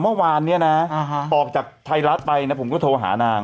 เมื่อวานเนี่ยนะออกจากไทยรัฐไปนะผมก็โทรหานาง